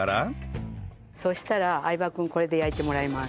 そしたら相葉君これで焼いてもらいます。